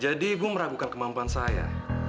jadi ibu meragukan kemampuan saya